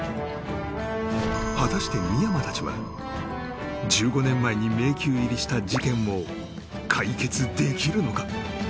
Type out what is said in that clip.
果たして深山達は１５年前に迷宮入りした事件を解決できるのか？